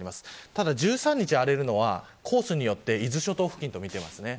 ただ１３日荒れるのはコースによって伊豆諸島付近とみています。